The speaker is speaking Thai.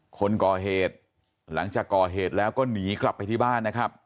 คนก่อเหตุหลังจากก่อเหตุแล้วก็หนีกลับไปที่บ้านนะครับ